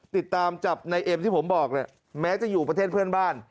ติดตามจับนายเอ็มที่ผมบอกเนี่ยแม้จะอยู่ประเทศเพื่อนบ้าน